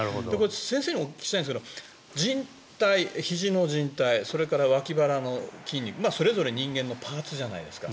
先生にお聞きしたいんですがひじのじん帯それから脇腹の筋肉それぞれ人間のパーツじゃないですか。